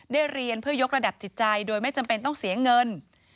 เรียนเพื่อยกระดับจิตใจโดยไม่จำเป็นต้องเสียเงิน